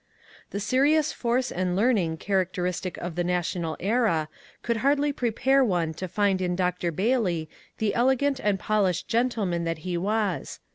The serious force and learning characteristic of the ^^ Na tional Era " could hardly prepare one to find in Dr. Bailey the elegant and polished gentleman that he was.